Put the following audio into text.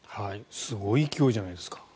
すごい勢いじゃないですか。